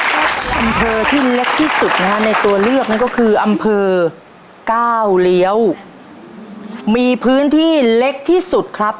อำเภอที่เล็กที่สุดนะฮะในตัวเลือกนั่นก็คืออำเภอก้าวเลี้ยวมีพื้นที่เล็กที่สุดครับ